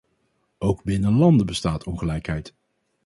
Ook binnen landen bestaat ongelijkheid.